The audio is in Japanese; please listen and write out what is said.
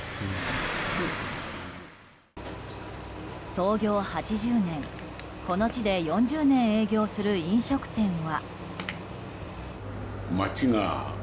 創業８０年この地で４０年営業する飲食店は。